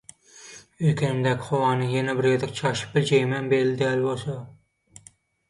Öýkenimdäki howany ýene bir gezek çalşyp biljegimem belli däl bolsa…